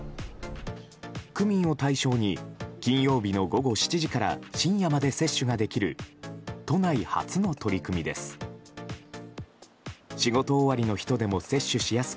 区民を対象に金曜日の午後７時から深夜まで接種ができる都内初の取り組みです。